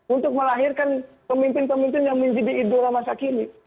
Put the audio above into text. untuk melahirkan pemimpin pemimpin yang menjadi idora masa kini